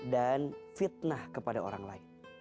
dan fitnah kepada orang lain